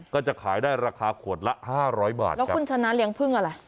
ก็จะขายได้ราคาขวดละห้าร้อยบาทแล้วคุณชนะเลี้ยพึ่งอะไร